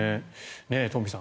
トンフィさん